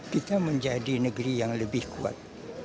kita menjadi negeri yang lebih kuat